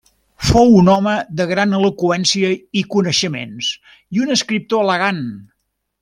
Fou un home de gran eloqüència i coneixements i un escriptor elegant.